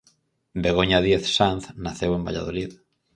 Begoña Díez Sanz naceu en Valladolid.